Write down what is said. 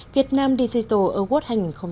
việt nam digital award hai nghìn một mươi tám